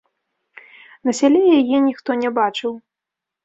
На сяле яе ніхто не бачыў.